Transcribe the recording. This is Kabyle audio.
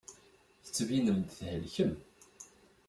Tettbinem-d thelkem.